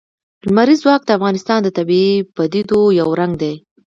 لمریز ځواک د افغانستان د طبیعي پدیدو یو رنګ دی.